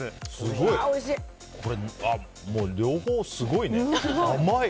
もう両方、すごいね。